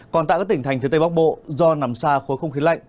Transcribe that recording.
còn tại các tỉnh thành phía tây bắc bộ do nằm xa khối không khí lạnh